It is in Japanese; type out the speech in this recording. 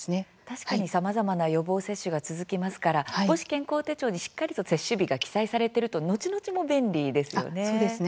確かに、さまざまな予防接種が続きますから母子健康手帳にしっかりと接種日が記載されているとのちのちも便利ですよね。